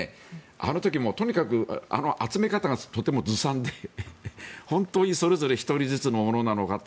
あの時もとにかくあの集め方がとてもずさんで本当にそれぞれ１人ずつのものなのかって。